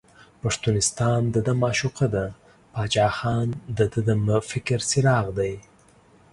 پښتونستان دده معشوقه ده، باچا خان دده د فکر څراغ دی.